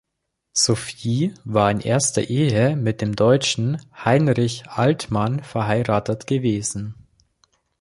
Sophie war in erster Ehe mit dem Deutschen Heinrich Altmann verheiratet gewesen.